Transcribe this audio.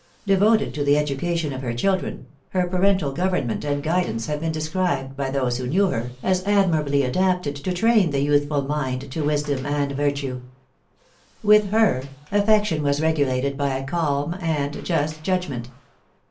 Devoted to the education of her children, her parental government and guidance have been described by those who knew her as admirably adapted to train the youthful mind to wisdom and virtue. With her, affection was regulated by a calm and just judgment.